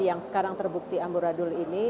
yang sekarang terbukti amburadul ini